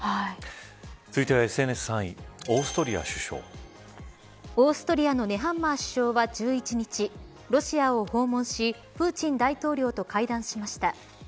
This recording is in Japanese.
続いてはＳＮＳ３位オーストリア首相オーストリアのネハンマー首相は１１日ロシアを訪問しプーチン大統領と会談しました。